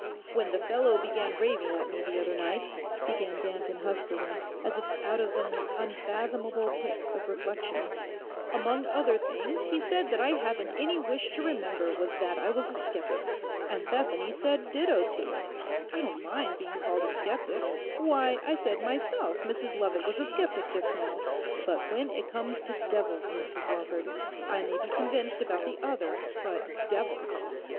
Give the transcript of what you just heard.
'When the fellow began raving at me the other night,' began Danton huskily, as if out of an unfathomable pit of reflection, 'among other things he said that I haven't any wish to remember was that I was a sceptic. And Bethany said ditto to it. I don't mind being called a sceptic: why, I said myself Mrs Lovat was a sceptic just now! But when it comes to "devils," Mrs Lawford—I may be convinced about the other, but "devils"!